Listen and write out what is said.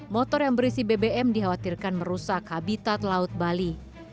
motor yang berisi bbm dikhawatirkan merusak habitat laut bali